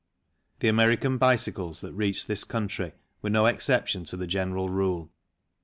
The American bicycles that reached this country were no exception to the general rule.